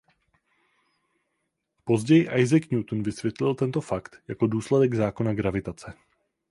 Později Isaac Newton vysvětlil tento fakt jako důsledek zákona gravitace.